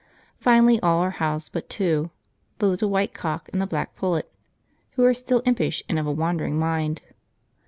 jpg} Finally all are housed but two, the little white cock and the black pullet, who are still impish and of a wandering mind.